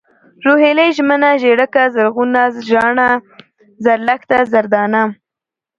روهيلۍ ، ژمنه ، ژېړکه ، زرغونه ، زاڼه ، زرلښته ، زردانه